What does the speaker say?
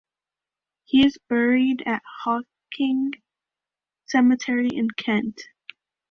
He is buried at Hawkinge Cemetery in Kent.